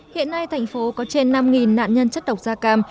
hiện nay thành phố có trên năm nạn nhân chất độc da cam